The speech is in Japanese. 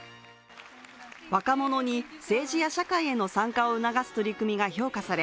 若者に政治や社会への参加を促す取り組みが評価され